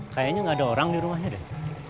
kayaknya nggak ada orang di rumahnya deh